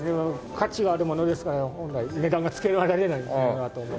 価値があるものですから本来値段がつけられないというものだと思います。